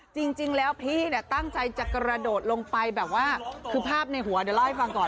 จริงแล้วพี่เนี่ยตั้งใจจะกระโดดลงไปแบบว่าคือภาพในหัวเดี๋ยวเล่าให้ฟังก่อน